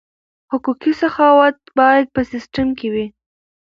حقوقي سخاوت باید په سیستم کې وي.